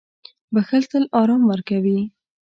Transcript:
• بښل تل آرام ورکوي.